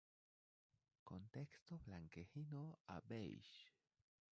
Contexto blanquecino a beige.